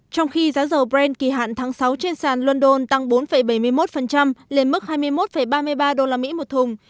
trong khi giá dầu brent kỳ hạn tháng sáu trên sàn london tăng bốn bảy mươi một lên mức hai mươi một ba mươi ba usd một thùng